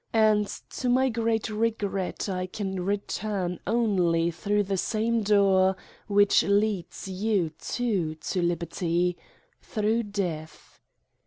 And, to my great regret I can return only through the same door which leads you too to liberty : through death.